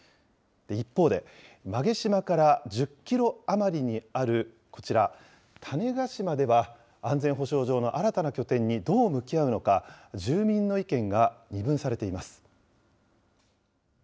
一方で、馬毛島から１０キロ余りにあるこちら、種子島では、安全保障上の新たな拠点にどう向き合うのか、住民の意見が二分されています。